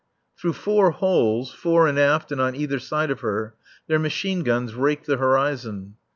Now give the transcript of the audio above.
Through four holes, fore and aft and on either side of her, their machine guns rake the horizon.